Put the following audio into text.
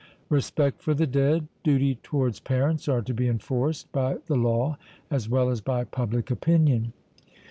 Respect for the dead, duty towards parents, are to be enforced by the law as well as by public opinion...